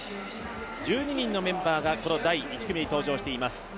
１２人のメンバーがこの第１組に登場しています。